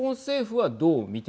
はい。